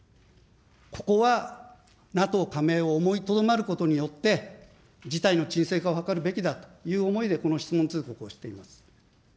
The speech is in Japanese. ここはＮＡＴＯ加盟を思いとどまることによって、事態の沈静化を図るべきだと、この質問通告をしています。